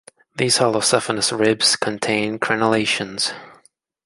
These holocephalus ribs contain crenelations.